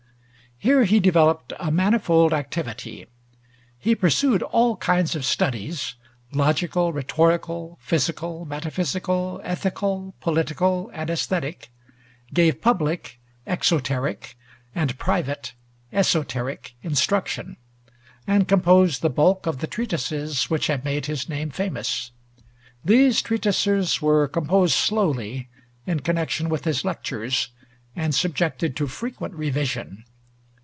Here he developed a manifold activity. He pursued all kinds of studies, logical, rhetorical, physical, metaphysical, ethical, political, and aesthetic, gave public (exoteric) and private (esoteric) instruction, and composed the bulk of the treatises which have made his name famous. These treatises were composed slowly, in connection with his lectures, and subjected to frequent revision.